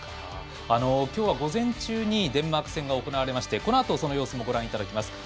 きょうは午前中にデンマーク戦が行われましてこのあと、その様子もご覧いただきます。